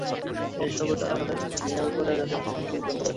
এ সবের দ্বারা তারা তাদের দীনের ব্যাপারে জনসাধারণকে বিভ্রান্ত করে।